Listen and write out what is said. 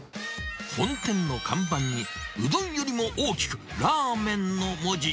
本店の看板に、うどんよりも大きく、ラーメンの文字。